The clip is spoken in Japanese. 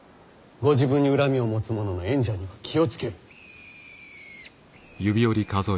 ご自分に恨みを持つ者の縁者には気を付ける。